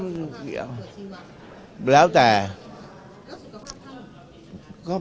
ส่วนตัวท่านมีอยากทำงานต่อไหมครับ